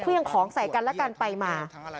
เครื่องของใส่กันและกันไปมา